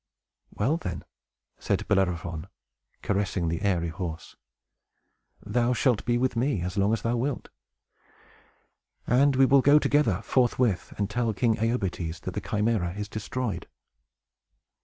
"Well then," said Bellerophon, caressing the airy horse, "thou shalt be with me, as long as thou wilt; and we will go together, forthwith, and tell King Iobates that the Chimæra is destroyed."